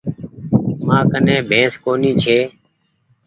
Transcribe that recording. مآ ڪني بينس ڪونيٚ ڇي۔